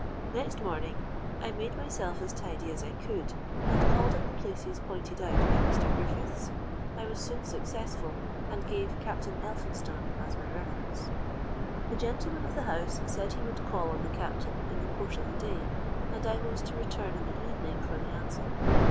"Next morning I made myself as tidy as I could, and called at the places pointed out by Mr. Griffiths. I was soon successful, and gave Captain Elphinstone as my reference. The gentleman of the house said he would call on the captain in the course of the day, and I was to return in the evening for the answer.